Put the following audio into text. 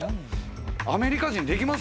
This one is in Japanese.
アメリカ人できます？